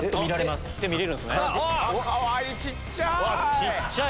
小っちゃい！